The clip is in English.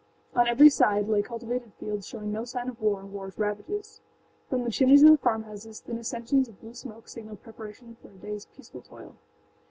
On every side lay cultivated fields showing no sign of war and warâs ravages. From the chimneys of the farmhouses thin ascensions of blue smoke signaled preparations for a dayâs peaceful toil.